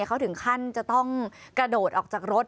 เขาถึงขั้นจะต้องกระโดดออกจากรถ